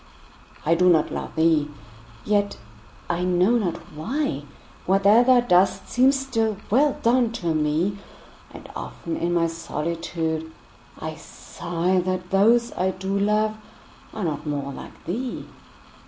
I do not love thee!—yet, I know not why, 5 Whate'er thou dost seems still well done, to me: And often in my solitude I sigh That those I do love are not more like thee!